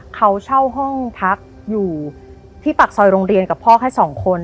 เขาเช่าห้องพักอยู่ที่ปากซอยโรงเรียนกับพ่อแค่สองคน